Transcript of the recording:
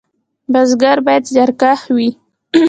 بزګر باید زیارکښ وي